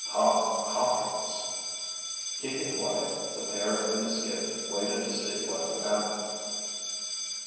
"Hod Hawkins!" Keeping quiet, the pair in the skiff waited to see what would happen.